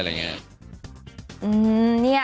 แบบนี้